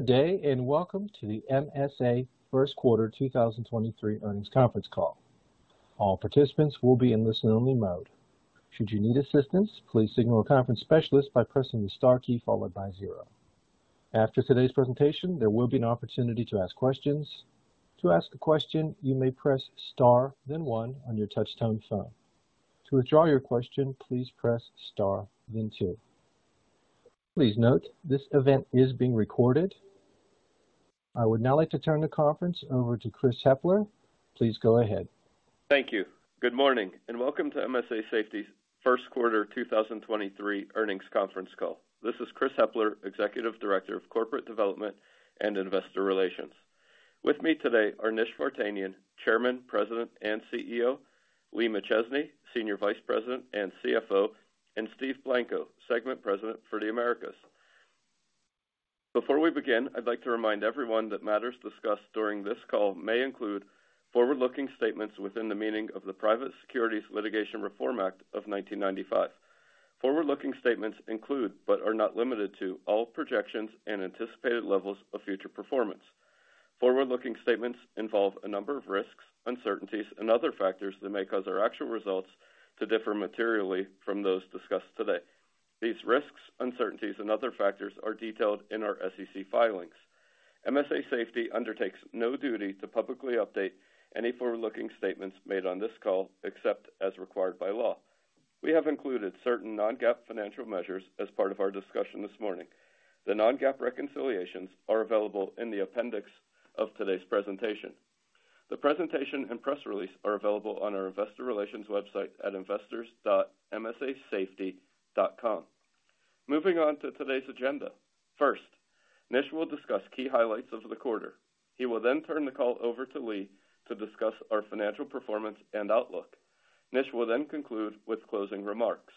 Good day, and welcome to the MSA first quarter 2023 earnings conference call. All participants will be in listen only mode. Should you need assistance, please signal a conference specialist by pressing the Star key followed by 0. After today's presentation, there will be an opportunity to ask questions. To ask a question, you may press Star then 1 on your touchtone phone. To withdraw your question, please press Star then 2. Please note this event is being recorded. I would now like to turn the conference over to Chris Hepler. Please go ahead. Thank you. Good morning and welcome to MSA Safety's first quarter 2023 earnings conference call. This is Chris Hepler, Executive Director of Corporate Development and Investor Relations. With me today are Nish Vartanian, Chairman, President and CEO, Lee McChesney, Senior Vice President and CFO, and Steve Blanco, Segment President for the Americas. Before we begin, I'd like to remind everyone that matters discussed during this call may include forward-looking statements within the meaning of the Private Securities Litigation Reform Act of 1995. Forward-looking statements include, but are not limited to, all projections and anticipated levels of future performance. Forward-looking statements involve a number of risks, uncertainties and other factors that may cause our actual results to differ materially from those discussed today. These risks, uncertainties and other factors are detailed in our SEC filings. MSA Safety undertakes no duty to publicly update any forward-looking statements made on this call, except as required by law. We have included certain non-GAAP financial measures as part of our discussion this morning. The non-GAAP reconciliations are available in the appendix of today's presentation. The presentation and press release are available on our investor relations website at investors.msasafety.com. Moving on to today's agenda. First, Nish will discuss key highlights of the quarter. He will then turn the call over to Lee to discuss our financial performance and outlook. Nish will then conclude with closing remarks.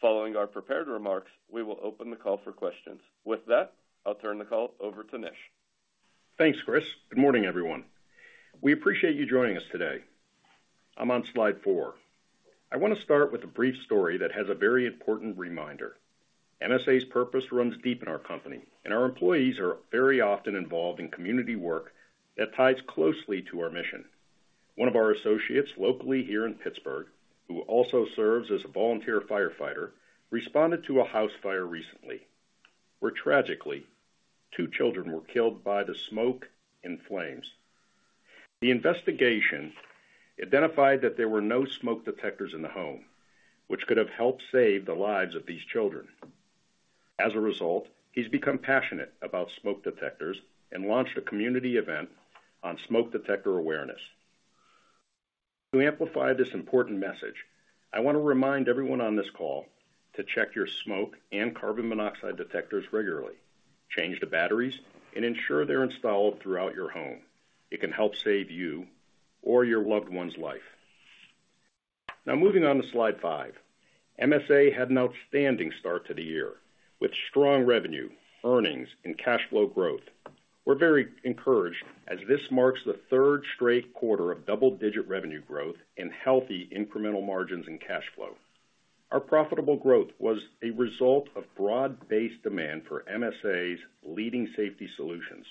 Following our prepared remarks, we will open the call for questions. With that, I'll turn the call over to Nish. Thanks, Chris. Good morning, everyone. We appreciate you joining us today. I'm on slide four. I want to start with a brief story that has a very important reminder. MSA's purpose runs deep in our company, and our employees are very often involved in community work that ties closely to our mission. One of our associates locally here in Pittsburgh, who also serves as a volunteer firefighter, responded to a house fire recently, where tragically, two children were killed by the smoke and flames. The investigation identified that there were no smoke detectors in the home, which could have helped save the lives of these children. As a result, he's become passionate about smoke detectors and launched a community event on smoke detector awareness. To amplify this important message, I want to remind everyone on this call to check your smoke and carbon monoxide detectors regularly, change the batteries, and ensure they're installed throughout your home. It can help save you or your loved one's life. Moving on to slide five. MSA had an outstanding start to the year with strong revenue, earnings and cash flow growth. We're very encouraged as this marks the third straight quarter of double-digit revenue growth and healthy incremental margins and cash flow. Our profitable growth was a result of broad-based demand for MSA's leading safety solutions.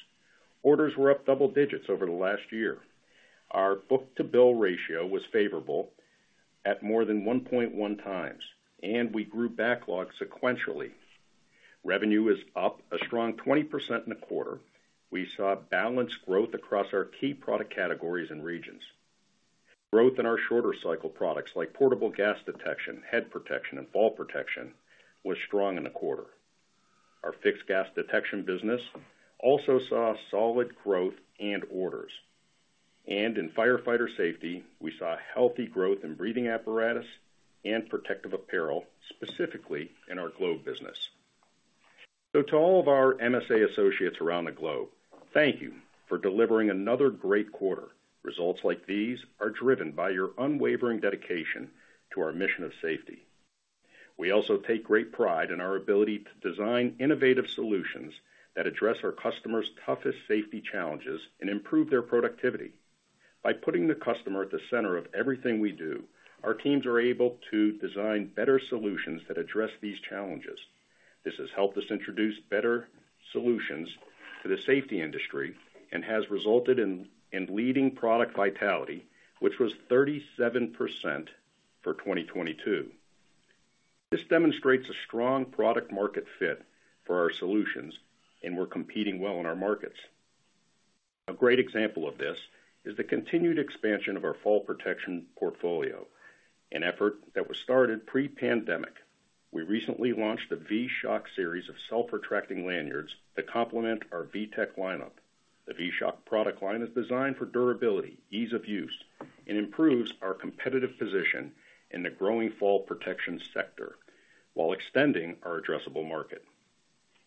Orders were up double digits over the last year. Our book-to-bill ratio was favorable at more than 1.1 times, and we grew backlog sequentially. Revenue is up a strong 20% in the quarter. We saw balanced growth across our key product categories and regions. Growth in our shorter cycle products like portable gas detection, head protection, and fall protection was strong in the quarter. Our fixed gas detection business also saw solid growth and orders. In firefighter safety, we saw healthy growth in breathing apparatus and protective apparel, specifically in our Globe business. To all of our MSA associates around the globe, thank you for delivering another great quarter. Results like these are driven by your unwavering dedication to our mission of safety. We also take great pride in our ability to design innovative solutions that address our customers' toughest safety challenges and improve their productivity. By putting the customer at the center of everything we do, our teams are able to design better solutions that address these challenges. This has helped us introduce better solutions to the safety industry and has resulted in leading product vitality, which was 37% for 2022. This demonstrates a strong product market fit for our solutions and we're competing well in our markets. A great example of this is the continued expansion of the fall protection portfolio, an effort that was started pre-pandemic. We recently launched the V-SHOCK series of self-retracting lanyards that complement our V-TEC lineup. The V-SHOCK product line is designed for durability, ease of use, and improves our competitive position in the growing fall protection sector while extending our addressable market.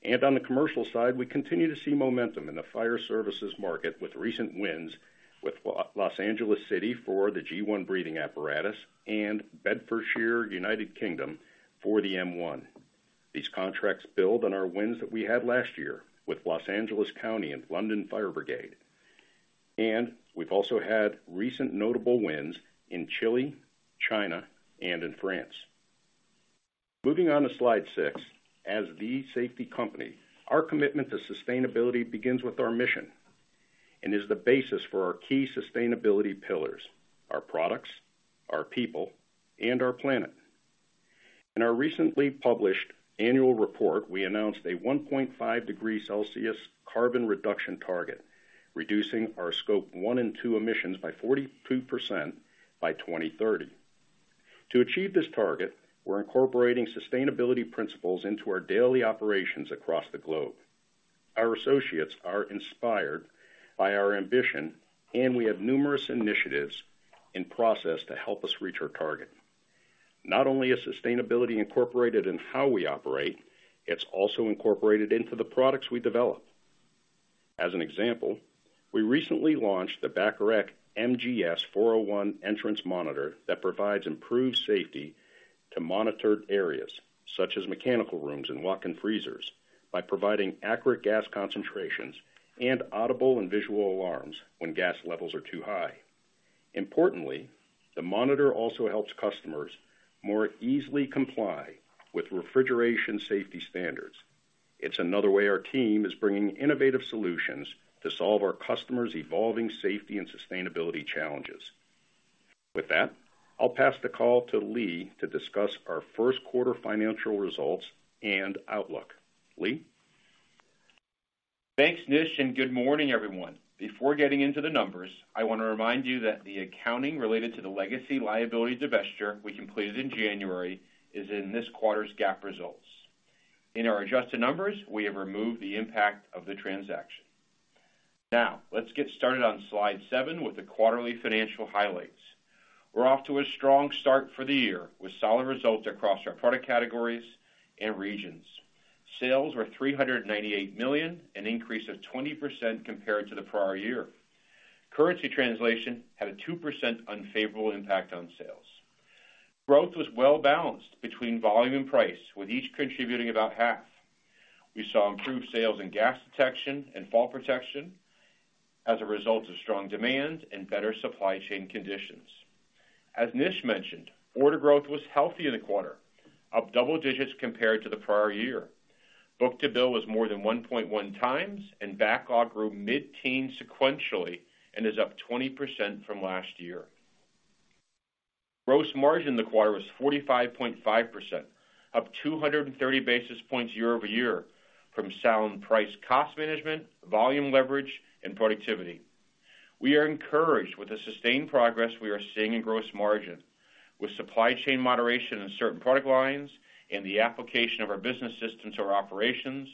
On the commercial side, we continue to see momentum in the fire services market with recent wins with L.A. City for the G1 breathing apparatus and Bedfordshire, U.K. for the M1. These contracts build on our wins that we had last year with Los Angeles County and London Fire Brigade. We've also had recent notable wins in Chile, China and in France. Moving on to slide six. As the safety company, our commitment to sustainability begins with our mission and is the basis for our key sustainability pillars, our products, our people, and our planet. In our recently published annual report, we announced a 1.5 degrees Celsius carbon reduction target, reducing our Scope one and Scope two emissions by 42% by 2030. To achieve this target, we're incorporating sustainability principles into our daily operations across the globe. Our associates are inspired by our ambition, and we have numerous initiatives in process to help us reach our target. Not only is sustainability incorporated in how we operate, it's also incorporated into the products we develop. As an example, we recently launched the Bacharach MGS-401 entrance monitor that provides improved safety to monitored areas such as mechanical rooms and walk-in freezers by providing accurate gas concentrations and audible and visual alarms when gas levels are too high. Importantly, the monitor also helps customers more easily comply with refrigeration safety standards. It's another way our team is bringing innovative solutions to solve our customers' evolving safety and sustainability challenges. With that, I'll pass the call to Lee to discuss our first quarter financial results and outlook. Lee? Thanks, Nish. Good morning, everyone. Before getting into the numbers, I wanna remind you that the accounting related to the legacy liability divestiture we completed in January is in this quarter's GAAP results. In our adjusted numbers, we have removed the impact of the transaction. Now, let's get started on slide seven with the quarterly financial highlights. We're off to a strong start for the year, with solid results across our product categories and regions. Sales were $398 million, an increase of 20% compared to the prior year. Currency translation had a 2% unfavorable impact on sales. Growth was well-balanced between volume and price, with each contributing about half. We saw improved sales in gas detection and fall protection as a result of strong demand and better supply chain conditions. As Nish mentioned, order growth was healthy in the quarter, up double digits compared to the prior year. Book-to-bill was more than 1.1 times, and backlog grew mid-teen sequentially and is up 20% from last year. Gross margin in the quarter was 45.5%, up 230 basis points year-over-year from sound price cost management, volume leverage, and productivity. We are encouraged with the sustained progress we are seeing in gross margin. With supply chain moderation in certain product lines and the application of our business systems or operations,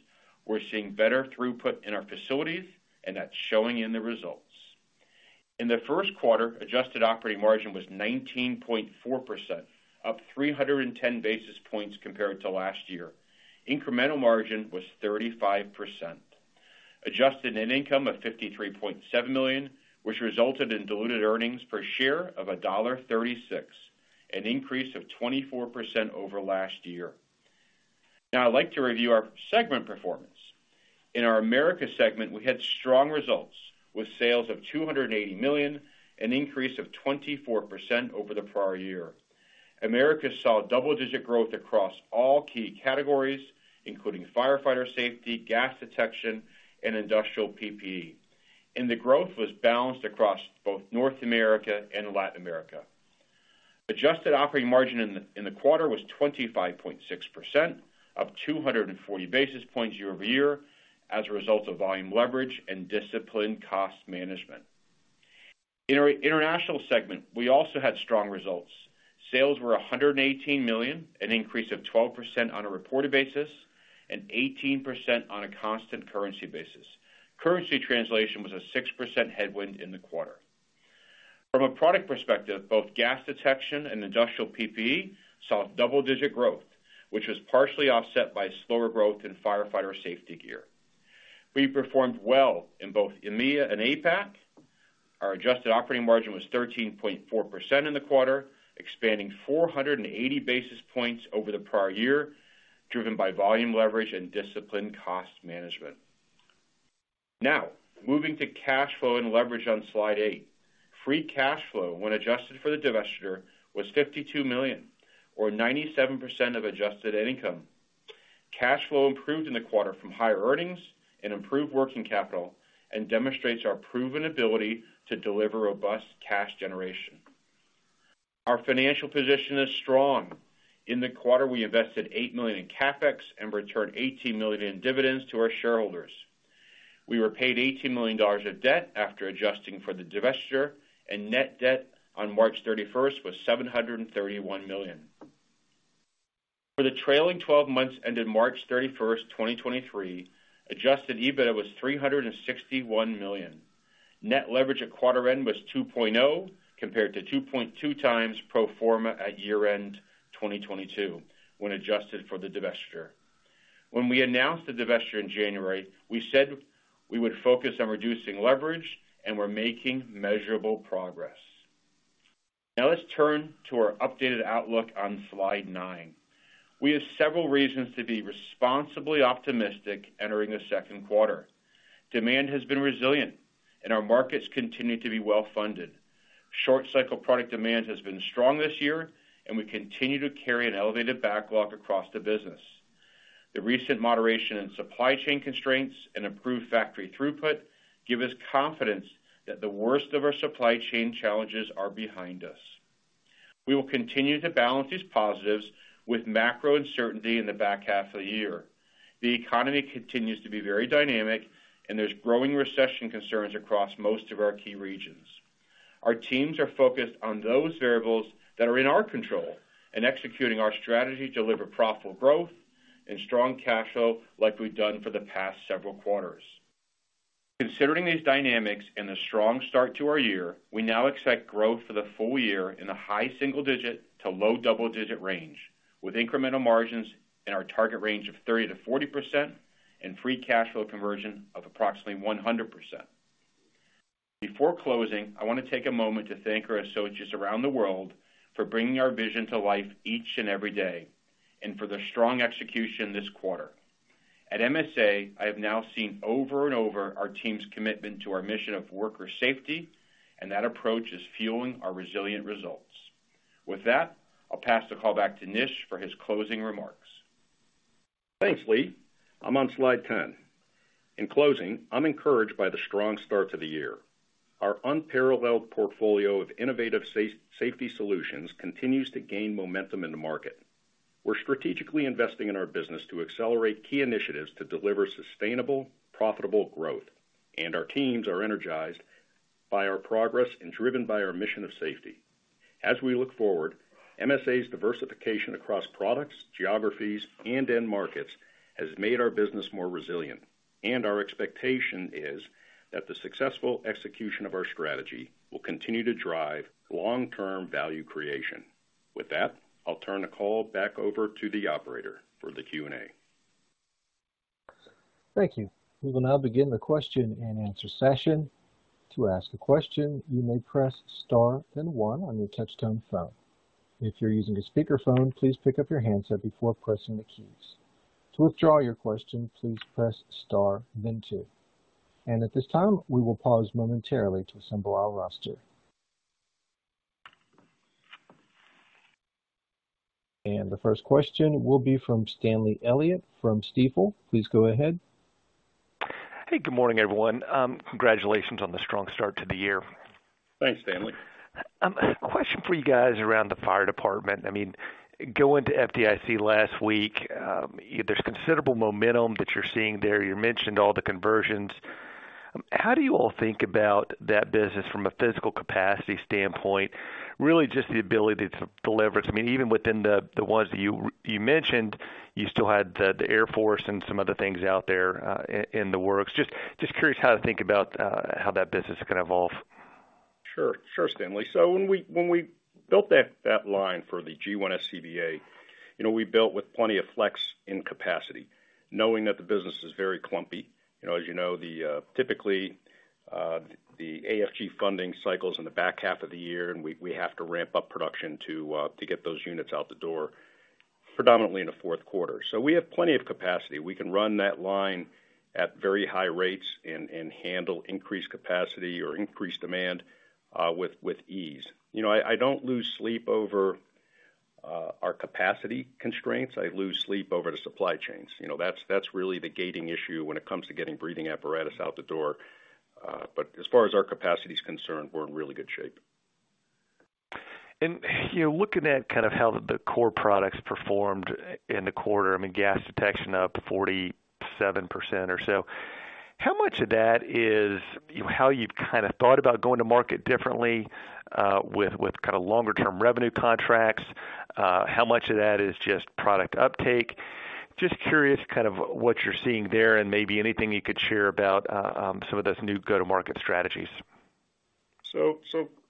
we're seeing better throughput in our facilities, and that's showing in the results. In the first quarter, adjusted operating margin was 19.4%, up 310 basis points compared to last year. Incremental margin was 35%. Adjusted net income of $53.7 million, which resulted in diluted earnings per share of $1.36, an increase of 24% over last year. I'd like to review our segment performance. In our Americas segment, we had strong results, with sales of $280 million, an increase of 24% over the prior year. Americas saw double-digit growth across all key categories, including firefighter safety, gas detection, and industrial PPE. The growth was balanced across both North America and Latin America. Adjusted operating margin in the quarter was 25.6%, up 240 basis points year-over-year as a result of volume leverage and disciplined cost management. In our international segment, we also had strong results. Sales were $118 million, an increase of 12% on a reported basis and 18% on a constant currency basis. Currency translation was a 6% headwind in the quarter. From a product perspective, both gas detection and industrial PPE saw double-digit growth, which was partially offset by slower growth in firefighter safety gear. We performed well in both EMEA and APAC. Our adjusted operating margin was 13.4% in the quarter, expanding 480 basis points over the prior year, driven by volume leverage and disciplined cost management. Now, moving to cash flow and leverage on slide eight. Free cash flow, when adjusted for the divestiture, was $52 million, or 97% of adjusted income. Cash flow improved in the quarter from higher earnings and improved working capital and demonstrates our proven ability to deliver robust cash generation. Our financial position is strong. In the quarter, we invested $8 million in CapEx and returned $18 million in dividends to our shareholders. We repaid $18 million of debt after adjusting for the divestiture, and net debt on March 31 was $731 million. For the trailing 12 months ended March 31, 2023, adjusted EBITDA was $361 million. Net leverage at quarter end was 2.0, compared to 2.2 times pro forma at year-end 2022, when adjusted for the divestiture. When we announced the divestiture in January, we said we would focus on reducing leverage, and we're making measurable progress. Now let's turn to our updated outlook on slide nine. We have several reasons to be responsibly optimistic entering the second quarter. Demand has been resilient. Our markets continue to be well-funded. Short cycle product demand has been strong this year. We continue to carry an elevated backlog across the business. The recent moderation in supply chain constraints and improved factory throughput give us confidence that the worst of our supply chain challenges are behind us. We will continue to balance these positives with macro uncertainty in the back half of the year. The economy continues to be very dynamic. There's growing recession concerns across most of our key regions. Our teams are focused on those variables that are in our control and executing our strategy to deliver profitable growth and strong cash flow like we've done for the past several quarters. Considering these dynamics and the strong start to our year, we now expect growth for the full year in the high single-digit to low double-digit range, with incremental margins in our target range of 30% to 40% and free cash flow conversion of approximately 100%. Before closing, I wanna take a moment to thank our associates around the world for bringing our vision to life each and every day, and for their strong execution this quarter. At MSA, I have now seen over and over our team's commitment to our mission of worker safety, and that approach is fueling our resilient results. With that, I'll pass the call back to Nish for his closing remarks. Thanks, Lee. I'm on slide 10. In closing, I'm encouraged by the strong start to the year. Our unparalleled portfolio of innovative safety solutions continues to gain momentum in the market. We're strategically investing in our business to accelerate key initiatives to deliver sustainable, profitable growth. Our teams are energized by our progress and driven by our mission of safety. As we look forward, MSA's diversification across products, geographies, and end markets has made our business more resilient, and our expectation is that the successful execution of our strategy will continue to drive long-term value creation. With that, I'll turn the call back over to the Operator for the Q&A. Thank you. We will now begin the question-and-answer session. To ask a question, you may press star then one on your touchtone phone. If you're using a speakerphone, please pick up your handset before pressing the keys. To withdraw your question, please press star then two. At this time, we will pause momentarily to assemble our roster. The first question will be from Stanley Elliott from Stifel. Please go ahead. Hey, good morning, everyone. Congratulations on the strong start to the year. Thanks, Stanley. Question for you guys around the fire department. I mean, going to FDIC last week, there's considerable momentum that you're seeing there. You mentioned all the conversions. How do you all think about that business from a physical capacity standpoint? Really just the ability to deliver. I mean, even within the ones that you mentioned, you still had the Air Force and some other things out there in the works. Just curious how to think about how that business is gonna evolve. Sure. Sure, Stanley. When we built that line for the G1 SCBA, you know, we built with plenty of flex in capacity, knowing that the business is very clumpy. You know, as you know, the typically the AFG funding cycles in the back half of the year, we have to ramp up production to get those units out the door predominantly in the fourth quarter. We have plenty of capacity. We can run that line at very high rates and handle increased capacity or increased demand with ease. You know, I don't lose sleep over our capacity constraints. I lose sleep over the supply chains. You know, that's really the gating issue when it comes to getting breathing apparatus out the door. As far as our capacity is concerned, we're in really good shape. You know, looking at kind of how the core products performed in the quarter, I mean, gas detection up 47% or so. How much of that is, you know, how you've kinda thought about going to market differently, with kinda longer term revenue contracts? How much of that is just product uptake? Just curious kind of what you're seeing there and maybe anything you could share about some of those new go-to-market strategies.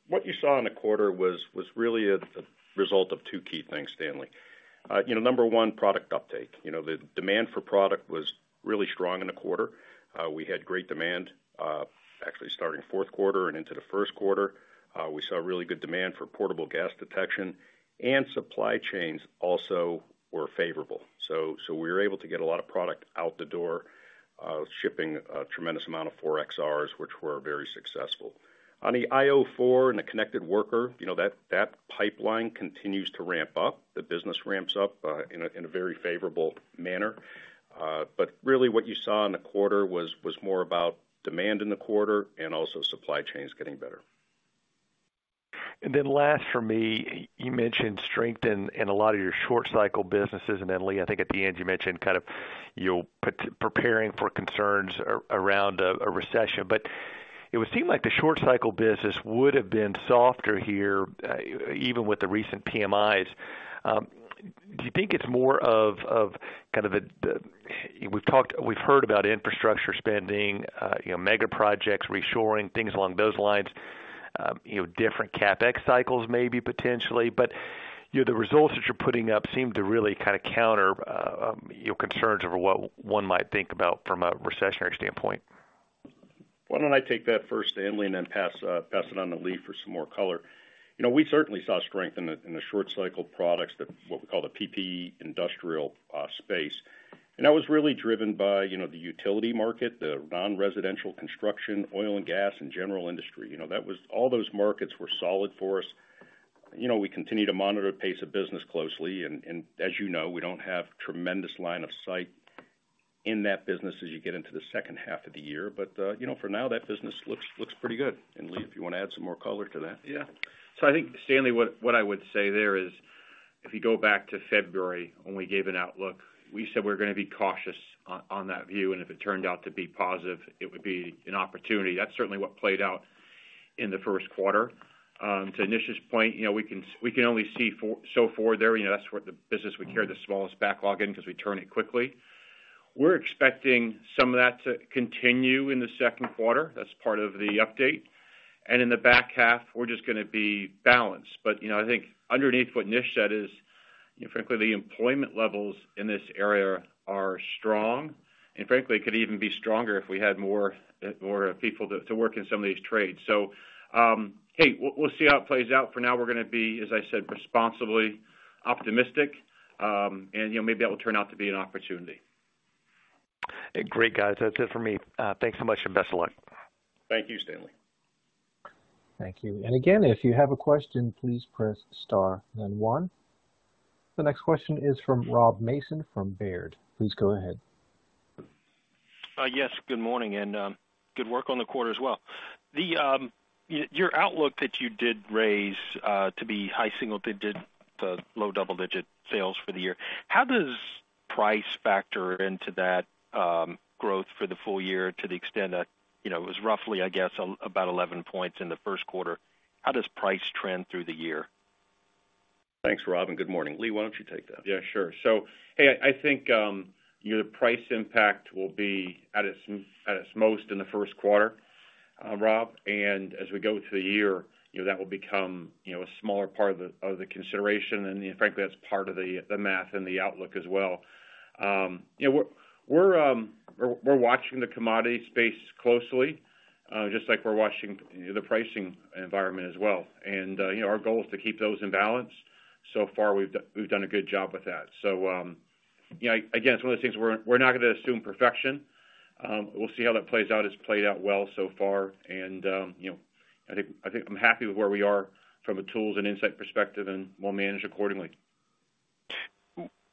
What you saw in the quarter was really a result of two key things, Stanley. You know, number one, product uptake. You know, the demand for product was really strong in the quarter. We had great demand, actually starting fourth quarter and into the first quarter. We saw really good demand for portable gas detection, and supply chains also were favorable. We were able to get a lot of product out the door, shipping a tremendous amount of 4XRs which were very successful. On the io 4 and the Connected Worker, you know, that pipeline continues to ramp up. The business ramps up in a very favorable manner. Really what you saw in the quarter was more about demand in the quarter and also supply chains getting better. Last for me, you mentioned strength in a lot of your short cycle businesses. Lee, I think at the end you mentioned kind of you're preparing for concerns around a recession, but it would seem like the short cycle business would have been softer here, even with the recent PMIs. Do you think it's more of kind of a, We've talked, we've heard about infrastructure spending, you know, mega projects, reshoring, things along those lines, you know, different CapEx cycles maybe potentially? You know, the results that you're putting up seem to really kinda counter, you know, concerns over what one might think about from a recessionary standpoint. Why don't I take that first, Stanley, and then pass it on to Lee for some more color. You know, we certainly saw strength in the short cycle products that what we call the PPE industrial space. That was really driven by, you know, the utility market, the non-residential construction, oil and gas, and general industry. You know, all those markets were solid for us. You know, we continue to monitor the pace of business closely, and as you know, we don't have tremendous line of sight in that business as you get into the second half of the year. You know, for now, that business looks pretty good. Lee, if you wanna add some more color to that. I think, Stanley, what I would say there is, if you go back to February when we gave an outlook, we said we're gonna be cautious on that view, and if it turned out to be positive, it would be an opportunity. That's certainly what played out in the first quarter. To Nish's point, you know, we can only see so far there. You know, that's where the business we carry the smallest backlog in 'cause we turn it quickly. We're expecting some of that to continue in the second quarter. That's part of the update. In the back half, we're just gonna be balanced. I think underneath what Nish said is, you know, frankly, the employment levels in this area are strong. Frankly, it could even be stronger if we had more people to work in some of these trades. Hey, we'll see how it plays out. For now, we're gonna be, as I said, responsibly optimistic. You know, maybe that will turn out to be an opportunity. Great, guys. That's it for me. Thanks so much, and best of luck. Thank you, Stanley. Thank you. Again, if you have a question, please press star then 1. The next question is from Rob Mason from Baird. Please go ahead. Yes, good morning, and good work on the quarter as well. The, your outlook that you did raise to be high single-digit to low double-digit sales for the year, how does price factor into that growth for the full year to the extent that, you know, it was roughly, I guess, about 11 points in the first quarter? How does price trend through the year? Thanks, Rob. Good morning. Lee, why don't you take that? Yeah, sure. Hey, I think, you know, price impact will be at its, at its most in the first quarter, Rob. As we go through the year, you know, that will become, you know, a smaller part of the consideration. Frankly, that's part of the math and the outlook as well. You know, we're watching the commodity space closely, just like we're watching the pricing environment as well. You know, our goal is to keep those in balance. So far we've done a good job with that. You know, again, it's one of those things we're not gonna assume perfection. We'll see how that plays out. It's played out well so far and, you know, I think I'm happy with where we are from a tools and insight perspective, and we'll manage accordingly.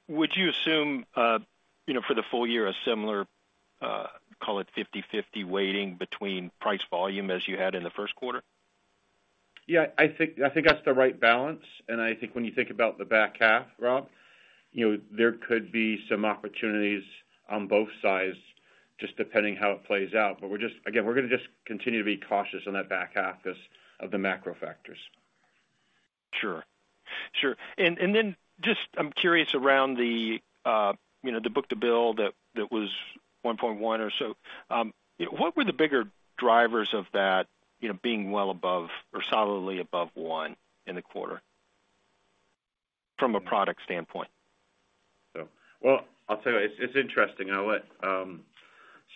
Would you assume, you know, for the full year, a similar, call it 50/50 weighting between price volume as you had in the first quarter? Yeah, I think that's the right balance. I think when you think about the back half, Rob, you know, there could be some opportunities on both sides just depending how it plays out. Again, we're gonna just continue to be cautious on that back half as of the macro factors. Sure. Sure. Just I'm curious around the, you know, the book-to-bill that was 1.1 or so. What were the bigger drivers of that, you know, being well above or solidly above 1 in the quarter from a product standpoint? Well, I'll tell you, it's interesting. I'll let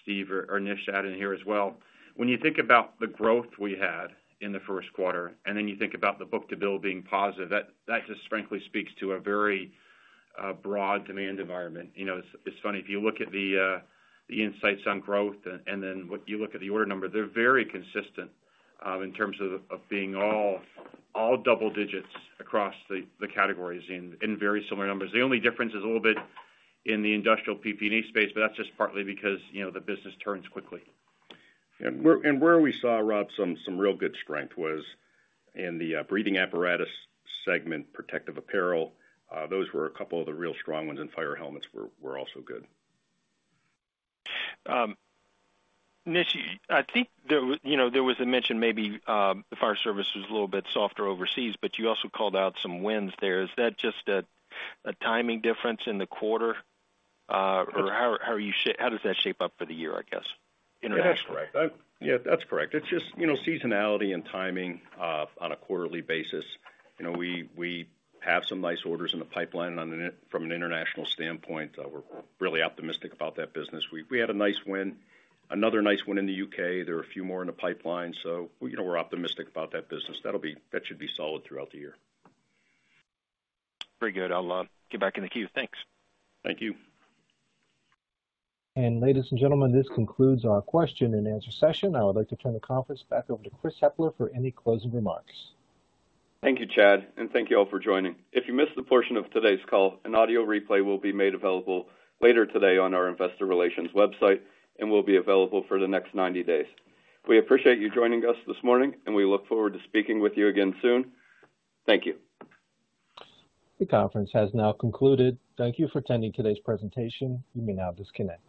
Steve or Nish add in here as well. When you think about the growth we had in the first quarter, and then you think about the book-to-bill being positive, that just frankly speaks to a very broad demand environment. You know, it's funny, if you look at the insights on growth and then what you look at the order number, they're very consistent in terms of being all double digits across the categories in very similar numbers. The only difference is a little bit in the industrial PPE space, but that's just partly because, you know, the business turns quickly. Where we saw, Rob, some real good strength was in the breathing apparatus segment, protective apparel, those were a couple of the real strong ones, and fire helmets were also good. Nish, I think you know, there was a mention maybe, the fire service was a little bit softer overseas, but you also called out some wins there. Is that just a timing difference in the quarter? How does that shape up for the year, I guess, internationally? Yeah, that's correct. It's just, you know, seasonality and timing on a quarterly basis. You know, we have some nice orders in the pipeline from an international standpoint. We're really optimistic about that business. We had a nice win, another nice win in the UK. There are a few more in the pipeline, you know, we're optimistic about that business. That should be solid throughout the year. Very good. I'll get back in the queue. Thanks. Thank you. Ladies and gentlemen, this concludes our question and answer session. I would like to turn the conference back over to Chris Hepler for any closing remarks. Thank you, Chad, and thank you all for joining. If you missed a portion of today's call, an audio replay will be made available later today on our investor relations website and will be available for the next 90 days. We appreciate you joining us this morning, and we look forward to speaking with you again soon. Thank you. The conference has now concluded. Thank you for attending today's presentation. You may now disconnect.